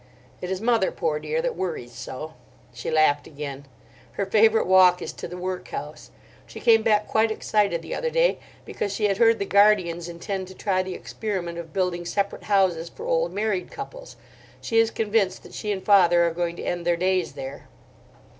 It is mother, poor dear, that worries so." She laughed again. "Her favourite walk is to the workhouse. She came back quite excited the other day because she had heard the Guardians intend to try the experiment of building separate houses for old married couples. She is convinced she and father are going to end their days there."